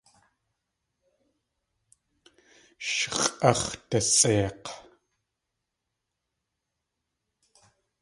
Sh x̲ʼáx̲dasʼeik̲.